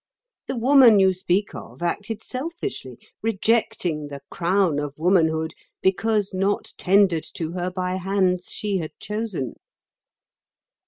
The woman you speak of acted selfishly, rejecting the crown of womanhood because not tendered to her by hands she had chosen."